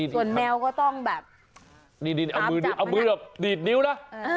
ส่วนแมวก็ต้องแบบเอามือเอามือล๋อดีดนิ้วล๊ะ